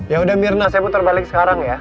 yaudah mirna saya putar balik sekarang ya